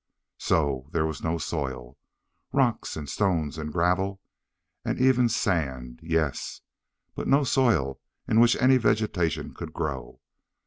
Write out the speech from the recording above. So there was no soil. Rock and stones and gravel and even sand yes. But no soil in which any vegetation could grow.